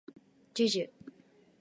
じゅじゅ